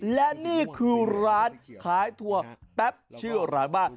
และนี่คือร้านขายถั่วแบบชื่ออะไรปะ